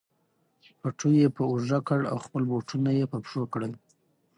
پټو یې په اوږه کړ او خپل بوټونه یې په پښو کړل.